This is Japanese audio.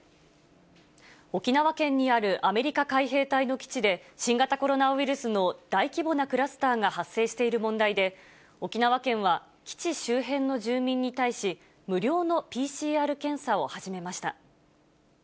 沖縄県にあるアメリカ海兵隊の基地で、新型コロナウイルスの大規模なクラスターが発生している問題で、沖縄県は基地周辺の住民に対し、無料のＰＣＲ検査を始めました。